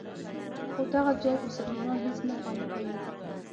خو دغه ځواب مسلمانان هېڅ نه قانع کوي.